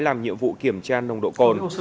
làm nhiệm vụ kiểm tra nồng độ cồn